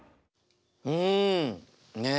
うんねえ。